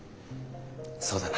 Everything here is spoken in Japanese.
そうだな。